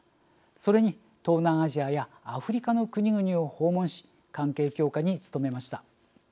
それに東南アジアやアフリカの国々を訪問し関係強化に努めました。